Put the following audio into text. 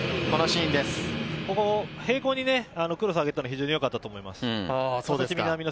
並行にクロスを上げたの非常によかったと思います。